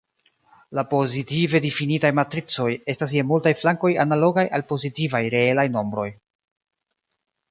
La pozitive difinitaj matricoj estas je multaj flankoj analogaj al pozitivaj reelaj nombroj.